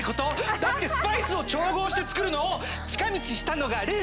だってスパイスを調合して作るのを近道したのがルー！